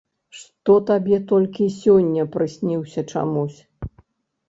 Што табе толькі сёння прысніўся чамусь.